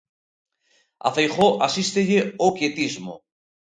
A Feijóo asístelle o quietismo.